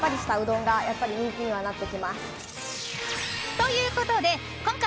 ということで今回、